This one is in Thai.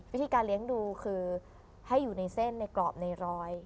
วิธีการเลี้ยงดูคือให้อยู่ในเส้นในกรอบในรอย